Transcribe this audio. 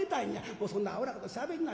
『もうそんなアホなことしゃべりな。